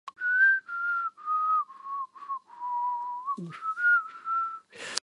Car sharing is also available.